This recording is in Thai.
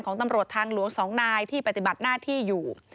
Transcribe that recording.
ตำรวจทางหลวง๒นายที่ปฏิบัติหน้าที่อยู่